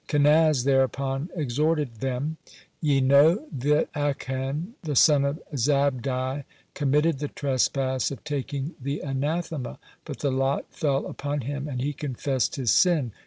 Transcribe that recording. Kenaz thereupon exhorted them: "Ye know that Achan, the son of Zabdi, committed the trespass of taking the anathema, but the lot fell upon him, and he confessed his sin.